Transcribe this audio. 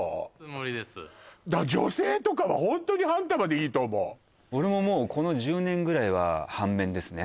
女性とかはホントに半玉でいいと思う俺ももうこの１０年ぐらいは半麺ですね